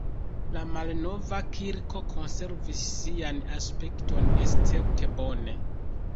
La malnova kirko konservis sian aspekton escepte bone.